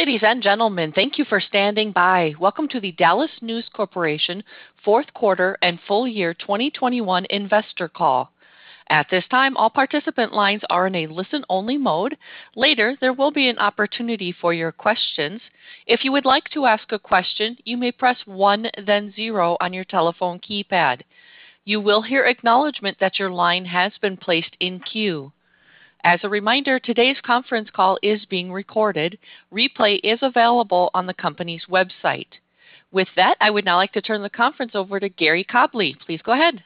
Ladies and gentlemen, thank you for standing by. Welcome to the DallasNews Corporation Fourth Quarter and Full Year 2021 Investor Call. At this time, all participant lines are in a listen-only mode. Later, there will be an opportunity for your questions. If you would like to ask a question, you may press one, then zero on your telephone keypad. You will hear acknowledgment that your line has been placed in queue. As a reminder, today's conference call is being recorded. Replay is available on the company's website. With that, I would now like to turn the conference over to Gary Cobleigh. Please go ahead.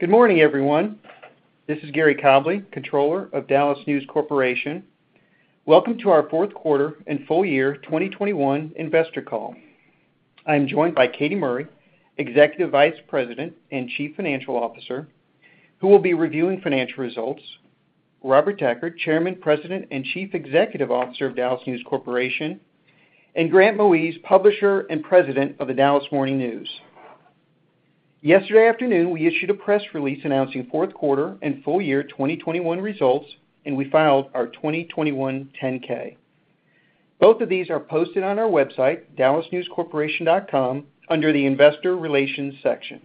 Good morning, everyone. This is Gary Cobleigh, Controller of DallasNews Corporation. Welcome to our fourth quarter and full year 2021 investor call. I am joined by Katy Murray, Executive Vice President and Chief Financial Officer, who will be reviewing financial results, Robert Decherd, Chairman, President, and Chief Executive Officer of DallasNews Corporation, and Grant Moise, Publisher and President of The Dallas Morning News. Yesterday afternoon, we issued a press release announcing fourth quarter and full year 2021 results, and we filed our 2021 10-K. Both of these are posted on our website, dallasnewscorporation.com, under the Investor Relations section.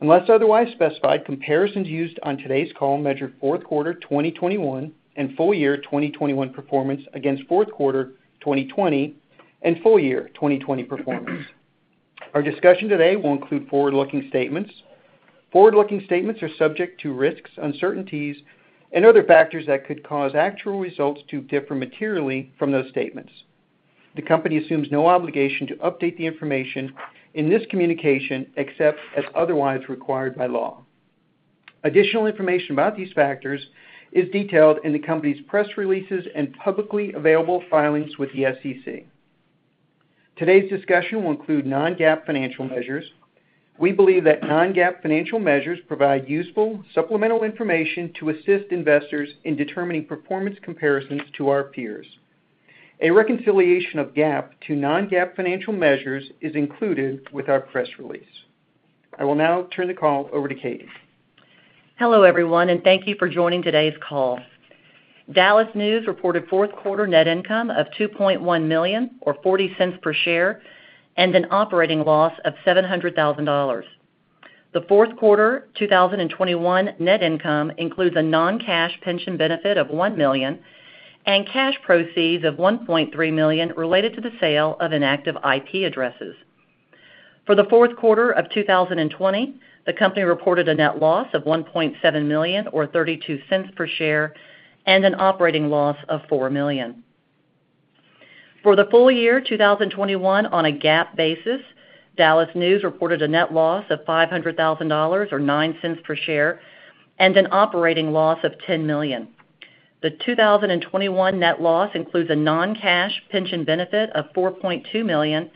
Unless otherwise specified, comparisons used on today's call measure fourth quarter 2021 and full year 2021 performance against fourth quarter 2020 and full year 2020 performance. Our discussion today will include forward-looking statements. Forward-looking statements are subject to risks, uncertainties, and other factors that could cause actual results to differ materially from those statements. The company assumes no obligation to update the information in this communication, except as otherwise required by law. Additional information about these factors is detailed in the company's press releases and publicly available filings with the SEC. Today's discussion will include non-GAAP financial measures. We believe that non-GAAP financial measures provide useful supplemental information to assist investors in determining performance comparisons to our peers. A reconciliation of GAAP to non-GAAP financial measures is included with our press release. I will now turn the call over to Katy. Hello, everyone, and thank you for joining today's call. DallasNews reported fourth quarter net income of $2.1 million or $0.40 per share and an operating loss of $700,000. The fourth quarter 2021 net income includes a non-cash pension benefit of $1 million and cash proceeds of $1.3 million related to the sale of inactive IP addresses. For the fourth quarter of 2020, the company reported a net loss of $1.7 million or $0.32 per share and an operating loss of $4 million. For the full year 2021, on a GAAP basis, DallasNews reported a net loss of $500,000 or $0.09 per share and an operating loss of $10 million. The 2021 net loss includes a non-cash pension benefit of $4.2 million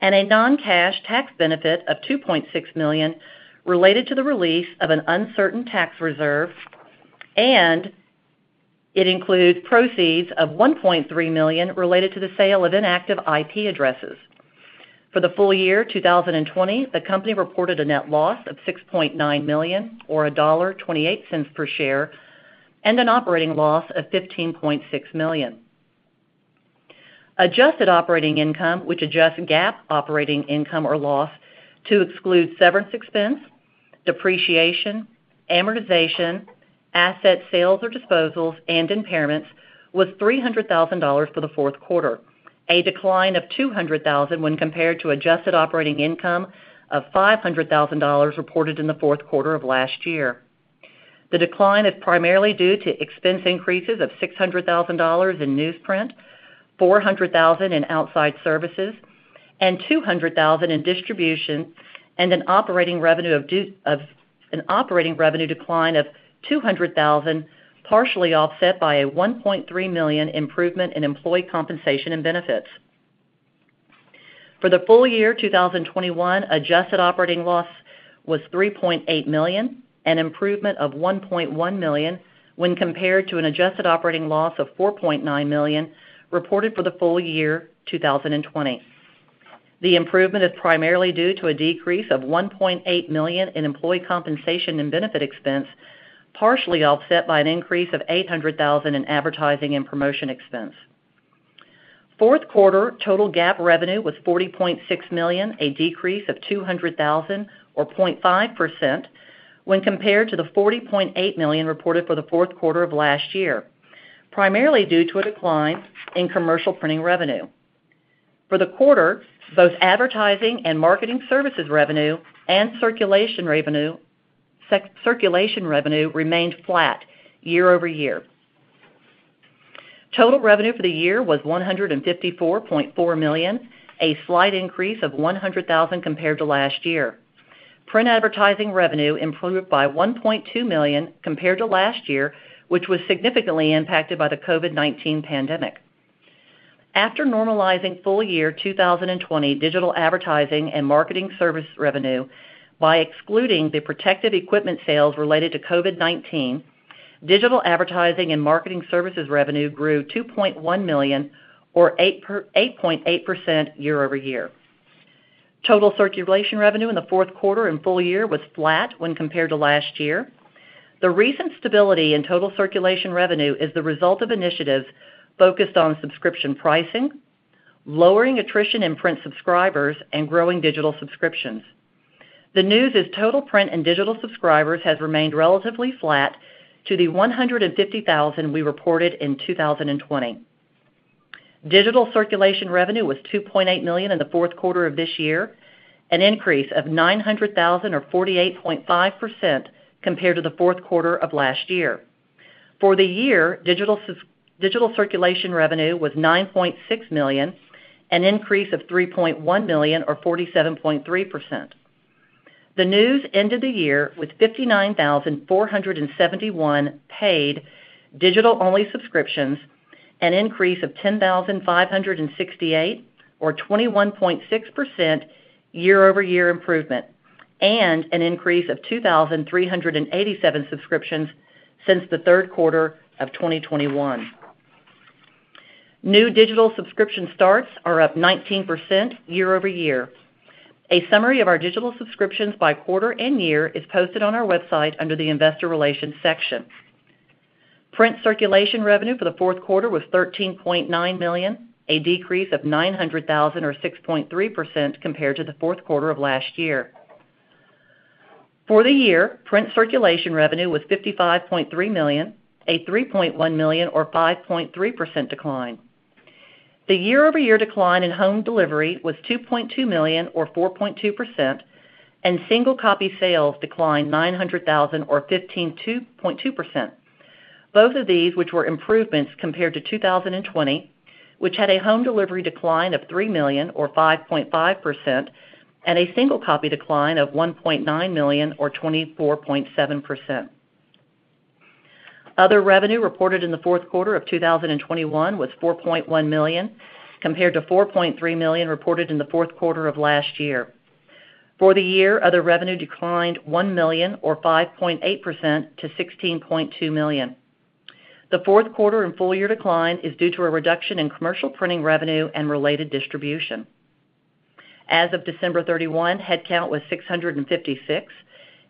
and a non-cash tax benefit of $2.6 million related to the release of an uncertain tax reserve, and it includes proceeds of $1.3 million related to the sale of inactive IP addresses. For the full year 2020, the company reported a net loss of $6.9 million or $1.28 per share and an operating loss of $15.6 million. Adjusted operating income, which adjusts GAAP operating income or loss to exclude severance expense, depreciation, amortization, asset sales or disposals, and impairments, was $300,000 for the fourth quarter, a decline of $200,000 when compared to adjusted operating income of $500,000 reported in the fourth quarter of last year. The decline is primarily due to expense increases of $600,000 in newsprint, $400,000 in outside services, and $200,000 in distribution, and an operating revenue decline of $200,000, partially offset by a $1.3 million improvement in employee compensation and benefits. For the full year 2021, adjusted operating loss was $3.8 million, an improvement of $1.1 million when compared to an adjusted operating loss of $4.9 million reported for the full year 2020. The improvement is primarily due to a decrease of $1.8 million in employee compensation and benefit expense, partially offset by an increase of $800,000 in advertising and promotion expense. Fourth quarter total GAAP revenue was $40.6 million, a decrease of $200,000 or 0.5% when compared to the $40.8 million reported for the fourth quarter of last year, primarily due to a decline in commercial printing revenue. For the quarter, both advertising and marketing services revenue and circulation revenue remained flat year-over-year. Total revenue for the year was $154.4 million, a slight increase of $100,000 compared to last year. Print advertising revenue improved by $1.2 million compared to last year, which was significantly impacted by the COVID-19 pandemic. After normalizing full year 2020 digital advertising and marketing service revenue by excluding the protective equipment sales related to COVID-19, digital advertising and marketing services revenue grew $2.1 million or 8.8% year-over-year. Total circulation revenue in the fourth quarter and full year was flat when compared to last year. The recent stability in total circulation revenue is the result of initiatives focused on subscription pricing, lowering attrition in print subscribers, and growing digital subscriptions. The number of total print and digital subscribers has remained relatively flat to the 150,000 we reported in 2020. Digital circulation revenue was $2.8 million in the fourth quarter of this year, an increase of $900,000 or 48.5% compared to the fourth quarter of last year. For the year, digital circulation revenue was $9.6 million, an increase of $3.1 million or 47.3%. The News ended the year with 59,471 paid digital-only subscriptions, an increase of 10,568 or 21.6% year-over-year improvement, and an increase of 2,387 subscriptions since the third quarter of 2021. New digital subscription starts are up 19% year-over-year. A summary of our digital subscriptions by quarter and year is posted on our website under the Investor Relations section. Print circulation revenue for the fourth quarter was $13.9 million, a decrease of $900,000 or 6.3% compared to the fourth quarter of last year. For the year, print circulation revenue was $55.3 million, a $3.1 million or 5.3% decline. The year-over-year decline in home delivery was $2.2 million or 4.2%, and single copy sales declined $900,000 or 15.2%. Both of these, which were improvements compared to 2020, which had a home delivery decline of $3 million or 5.5% and a single copy decline of $1.9 million or 24.7%. Other revenue reported in the fourth quarter of 2021 was $4.1 million, compared to $4.3 million reported in the fourth quarter of last year. For the year, other revenue declined $1 million or 5.8% to $16.2 million. The fourth quarter and full year decline is due to a reduction in commercial printing revenue and related distribution. As of December 31, headcount was 656,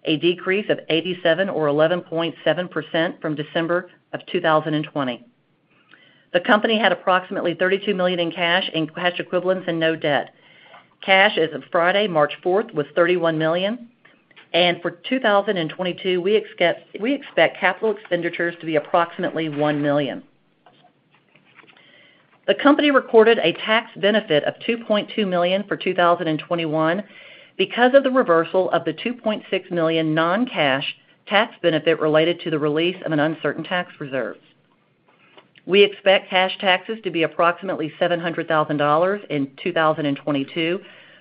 a decrease of 87 or 11.7% from December 2020. The company had approximately $32 million in cash and cash equivalents and no debt. Cash as of Friday, March 4, was $31 million, and for 2022, we expect capital expenditures to be approximately $1 million. The company recorded a tax benefit of $2.2 million for 2021 because of the reversal of the $2.6 million non-cash tax benefit related to the release of an uncertain tax reserve. We expect cash taxes to be approximately $700,000 in 2022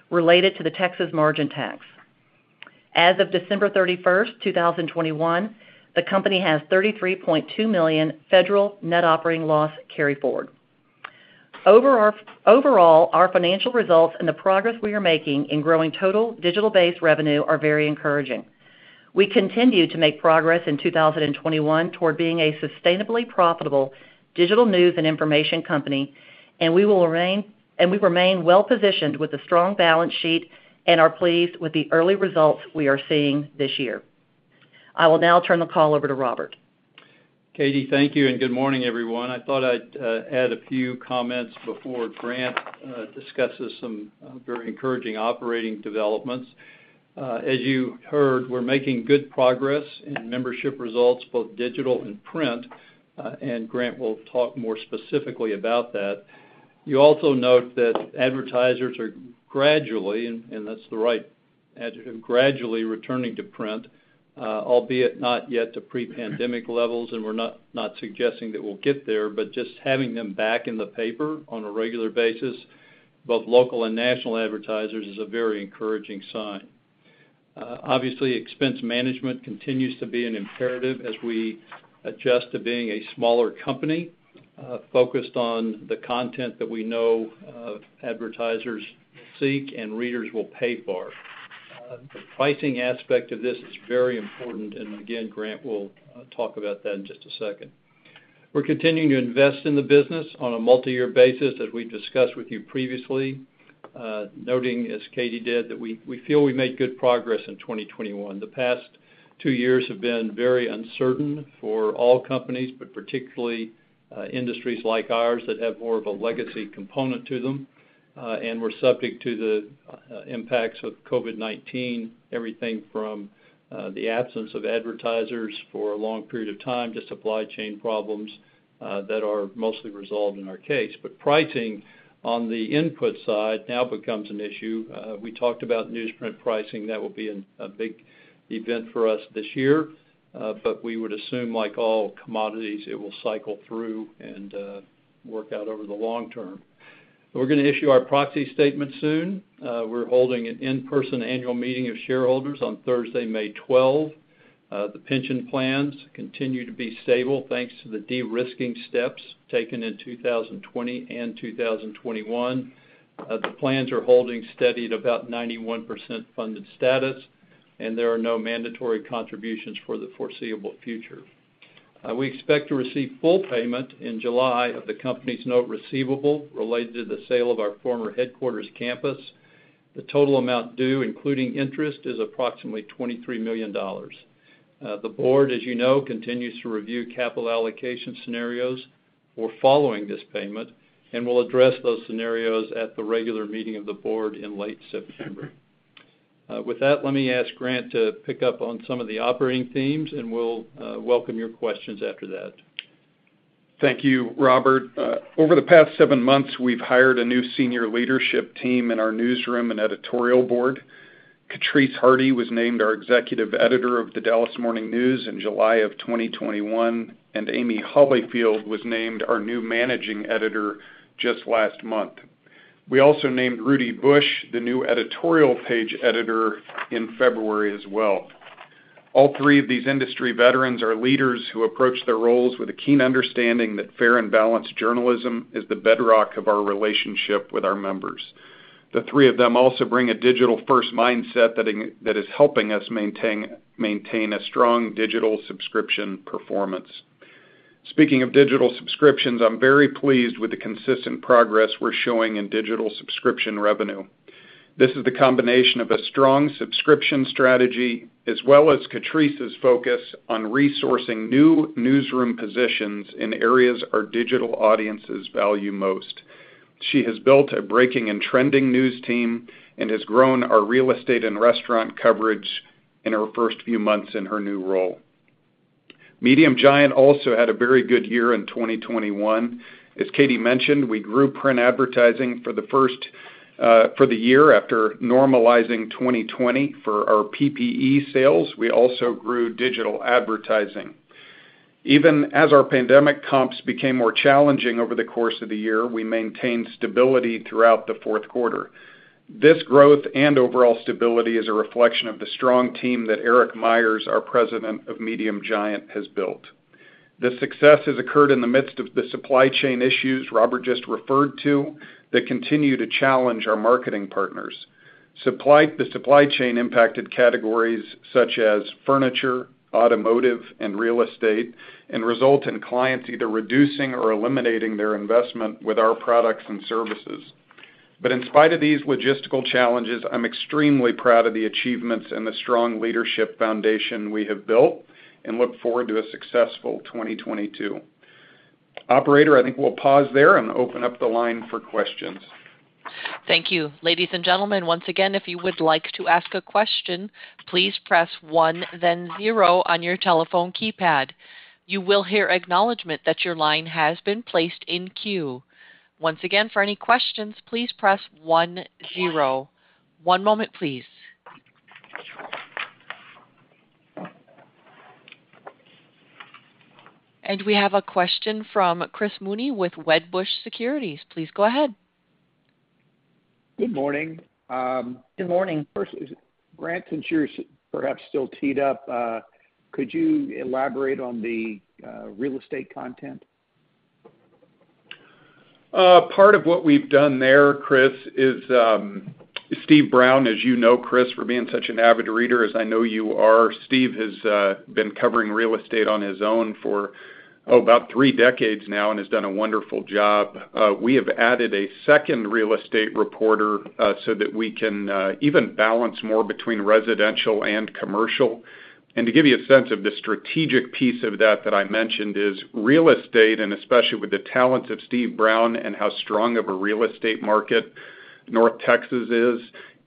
related to the Texas margin tax. As of December 31st, 2021, the company has $33.2 million federal net operating loss carryforward. Overall, our financial results and the progress we are making in growing total digital base revenue are very encouraging. We continued to make progress in 2021 toward being a sustainably profitable digital news and information company, and we remain well-positioned with a strong balance sheet and are pleased with the early results we are seeing this year. I will now turn the call over to Robert. Katy, thank you, and good morning, everyone. I thought I'd add a few comments before Grant discusses some very encouraging operating developments. As you heard, we're making good progress in membership results, both digital and print, and Grant will talk more specifically about that. You also note that advertisers are gradually, and that's the right adjective, gradually returning to print, albeit not yet to pre-pandemic levels, and we're not suggesting that we'll get there. Just having them back in the paper on a regular basis, both local and national advertisers, is a very encouraging sign. Obviously, expense management continues to be an imperative as we adjust to being a smaller company, focused on the content that we know advertisers seek and readers will pay for. The pricing aspect of this is very important, and again, Grant will talk about that in just a second. We're continuing to invest in the business on a multi-year basis, as we've discussed with you previously, noting, as Katy did, that we feel we made good progress in 2021. The past two years have been very uncertain for all companies, but particularly, industries like ours that have more of a legacy component to them, and were subject to the impacts of COVID-19, everything from the absence of advertisers for a long period of time to supply chain problems that are mostly resolved in our case. Pricing on the input side now becomes an issue. We talked about newsprint pricing. That will be a big event for us this year, but we would assume, like all commodities, it will cycle through and work out over the long term. We're gonna issue our proxy statement soon. We're holding an in-person annual meeting of shareholders on Thursday, May 12. The pension plans continue to be stable thanks to the de-risking steps taken in 2020 and 2021. The plans are holding steady at about 91% funded status, and there are no mandatory contributions for the foreseeable future. We expect to receive full payment in July of the company's note receivable related to the sale of our former headquarters campus. The total amount due, including interest, is approximately $23 million. The Board, as you know, continues to review capital allocation scenarios for following this payment and will address those scenarios at the regular meeting of the Board in late September. With that, let me ask Grant to pick up on some of the operating themes, and we'll welcome your questions after that. Thank you, Robert. Over the past seven months, we've hired a new senior leadership team in our newsroom and editorial board. Katrice Hardy was named our Executive Editor of The Dallas Morning News in July of 2021, and Amy Hollyfield was named our new Managing Editor just last month. We also named Rudy Bush the new Editorial Page Editor in February as well. All three of these industry veterans are leaders who approach their roles with a keen understanding that fair and balanced journalism is the bedrock of our relationship with our members. The three of them also bring a digital-first mindset that is helping us maintain a strong digital subscription performance. Speaking of digital subscriptions, I'm very pleased with the consistent progress we're showing in digital subscription revenue. This is the combination of a strong subscription strategy, as well as Katrice's focus on resourcing new newsroom positions in areas our digital audiences value most. She has built a breaking and trending news team and has grown our real estate and restaurant coverage in her first few months in her new role. Medium Giant also had a very good year in 2021. As Katy mentioned, we grew print advertising for the year after normalizing 2020 for our PPE sales. We also grew digital advertising. Even as our pandemic comps became more challenging over the course of the year, we maintained stability throughout the fourth quarter. This growth and overall stability is a reflection of the strong team that Eric Myers, our President of Medium Giant, has built. The success has occurred in the midst of the supply chain issues Robert just referred to that continue to challenge our marketing partners. The supply chain impacted categories such as furniture, automotive, and real estate and result in clients either reducing or eliminating their investment with our products and services. In spite of these logistical challenges, I'm extremely proud of the achievements and the strong leadership foundation we have built and look forward to a successful 2022. Operator, I think we'll pause there and open up the line for questions. Thank you. Ladies and gentlemen, once again, if you would like to ask a question, please press one then zero on your telephone keypad. You will hear acknowledgment that your line has been placed in queue. Once again, for any questions, please press one, zero. One moment, please. We have a question from Chris Mone with Wedbush Securities. Please go ahead. Good morning. Good morning. First, Grant, since you're perhaps still teed up, could you elaborate on the real estate content? Part of what we've done there, Chris, is Steve Brown, as you know, Chris, for being such an avid reader as I know you are, Steve has been covering real estate on his own for, oh, about three decades now and has done a wonderful job. We have added a second real estate reporter so that we can even balance more between residential and commercial. To give you a sense of the strategic piece of that I mentioned is real estate, and especially with the talents of Steve Brown and how strong of a real estate market North Texas is,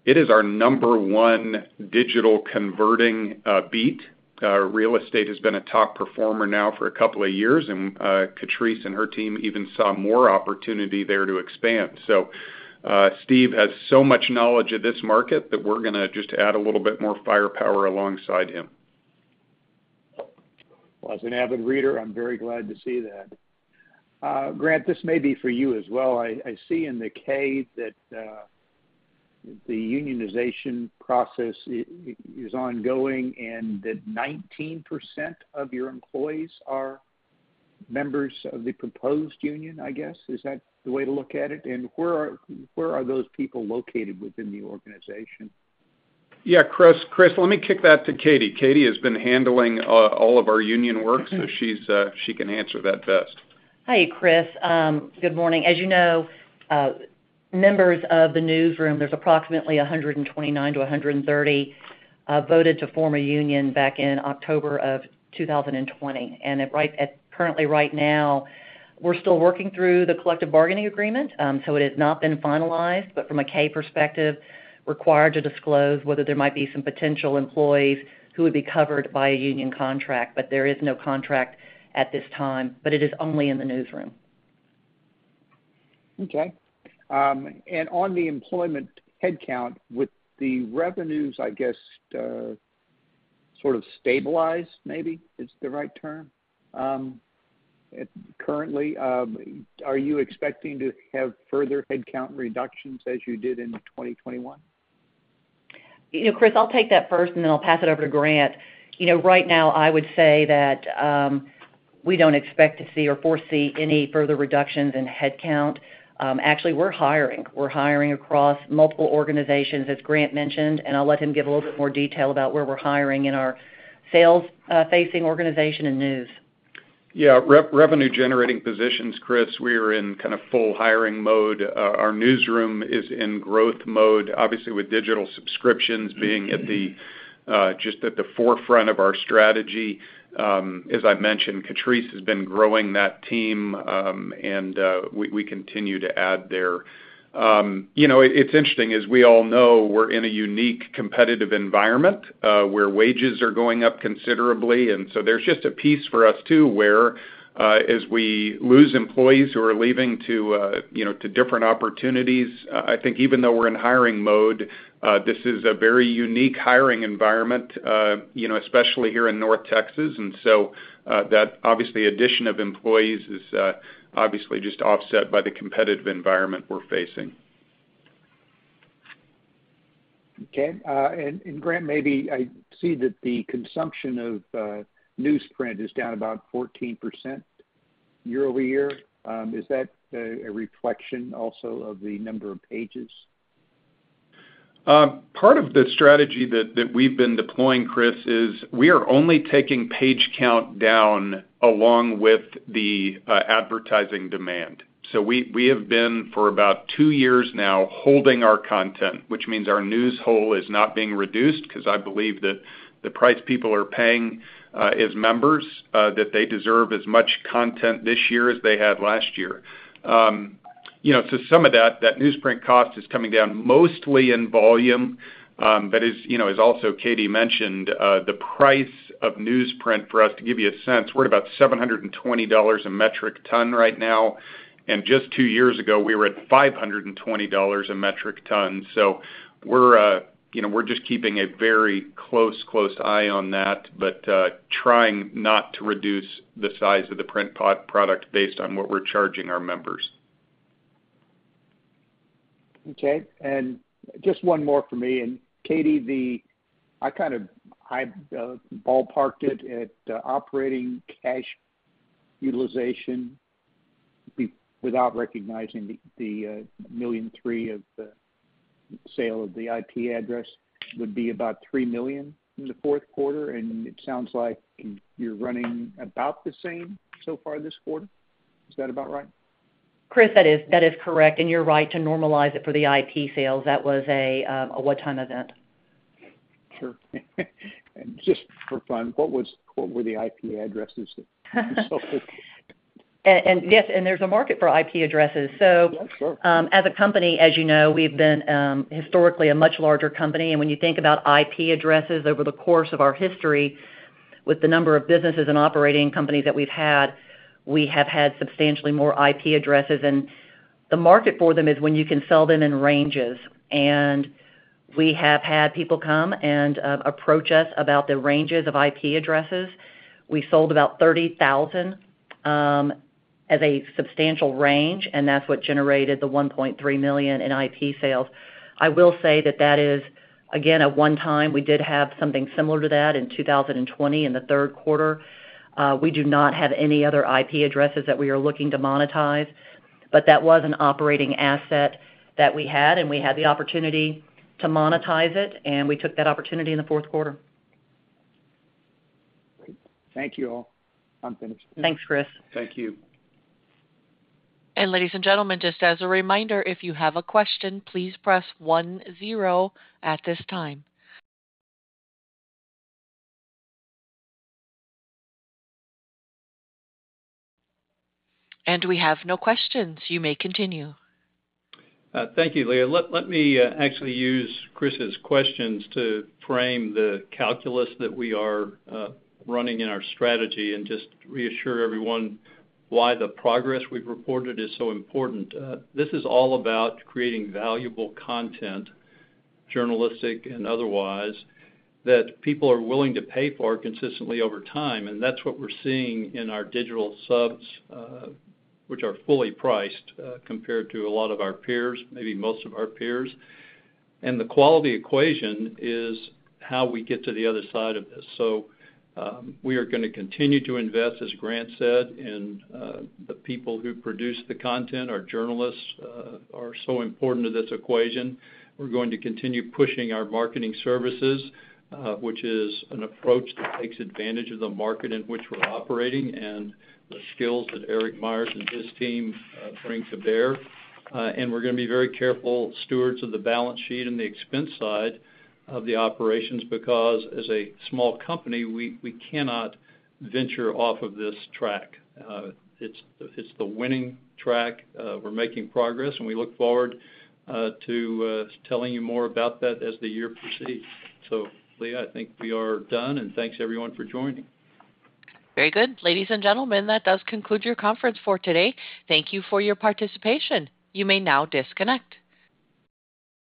it is our number one digital converting beat. Real estate has been a top performer now for a couple of years, and Katrice and her team even saw more opportunity there to expand. Steve has so much knowledge of this market that we're gonna just add a little bit more firepower alongside him. Well, as an avid reader, I'm very glad to see that. Grant, this may be for you as well. I see in the K that the unionization process is ongoing and that 19% of your employees are members of the proposed union, I guess. Is that the way to look at it? Where are those people located within the organization? Yeah, Chris, let me kick that to Katy. Katy has been handling all of our union work, so she can answer that best. Hi, Chris. Good morning. As you know, members of the newsroom, there's approximately 129 to 130 voted to form a union back in October of 2020. Currently right now, we're still working through the collective bargaining agreement, so it has not been finalized, but from a 10-K perspective, required to disclose whether there might be some potential employees who would be covered by a union contract. There is no contract at this time, but it is only in the newsroom. Okay. On the employment headcount, with the revenues, I guess, sort of stabilized, maybe is the right term, currently, are you expecting to have further headcount reductions as you did in 2021? You know, Chris, I'll take that first, and then I'll pass it over to Grant. You know, right now I would say that we don't expect to see or foresee any further reductions in headcount. Actually, we're hiring. We're hiring across multiple organizations, as Grant mentioned, and I'll let him give a little bit more detail about where we're hiring in our sales facing organization and news. Yeah, revenue generating positions, Chris, we are in kind of full hiring mode. Our newsroom is in growth mode, obviously, with digital subscriptions being just at the forefront of our strategy. As I mentioned, Katrice has been growing that team, and we continue to add there. You know, it's interesting, as we all know, we're in a unique competitive environment where wages are going up considerably. There's just a piece for us, too, where as we lose employees who are leaving to you know, to different opportunities, I think even though we're in hiring mode, this is a very unique hiring environment you know, especially here in North Texas. That obviously addition of employees is obviously just offset by the competitive environment we're facing. Okay. Grant, maybe I see that the consumption of newsprint is down about 14% year-over-year. Is that a reflection also of the number of pages? Part of the strategy that we've been deploying, Chris, is we are only taking page count down along with the advertising demand. So we have been for about two years now holding our content, which means our news hole is not being reduced, 'cause I believe that the price people are paying as members that they deserve as much content this year as they had last year. You know, so some of that newsprint cost is coming down mostly in volume, but as you know, as also Katy mentioned, the price of newsprint for us, to give you a sense, we're at about $720 a metric ton right now. Just two years ago, we were at $520 a metric ton. We're just keeping a very close eye on that, but trying not to reduce the size of the print product based on what we're charging our members. Okay. Just one more for me. Katy, I ballparked it at operating cash utilization without recognizing the $1.3 million of the sale of the IP address would be about $3 million in the fourth quarter, and it sounds like you're running about the same so far this quarter. Is that about right? Chris, that is correct. You're right to normalize it for the IP sales. That was a one-time event. Sure. Just for fun, what were the IP addresses that you sold? Yes, there's a market for IP addresses. Yeah, sure. As a company, as you know, we've been historically a much larger company. When you think about IP addresses over the course of our history, with the number of businesses and operating companies that we've had, we have had substantially more IP addresses. The market for them is when you can sell them in ranges. We have had people come and approach us about the ranges of IP addresses. We sold about 30,000 as a substantial range, and that's what generated the $1.3 million in IP sales. I will say that is, again, a one-time. We did have something similar to that in 2020 in the third quarter. We do not have any other IP addresses that we are looking to monetize. That was an operating asset that we had, and we had the opportunity to monetize it, and we took that opportunity in the fourth quarter. Great. Thank you all. I'm finished. Thanks, Chris. Thank you. And ladies and gentlemen, just as a reminder, if you have a question, please press one zero at this time. And we have no questions. You may continue. Thank you, Leah. Let me actually use Chris's questions to frame the calculus that we are running in our strategy and just reassure everyone why the progress we've reported is so important. This is all about creating valuable content, journalistic and otherwise, that people are willing to pay for consistently over time, and that's what we're seeing in our digital subs, which are fully priced compared to a lot of our peers, maybe most of our peers. The quality equation is how we get to the other side of this. We are gonna continue to invest, as Grant said, in the people who produce the content. Our journalists are so important to this equation. We're going to continue pushing our marketing services, which is an approach that takes advantage of the market in which we're operating and the skills that Eric Myers and his team bring to bear. We're gonna be very careful stewards of the balance sheet and the expense side of the operations because as a small company, we cannot venture off of this track. It's the winning track. We're making progress, and we look forward to telling you more about that as the year proceeds. Leah, I think we are done, and thanks everyone for joining. Very good. Ladies and gentlemen, that does conclude your conference for today. Thank you for your participation. You may now disconnect.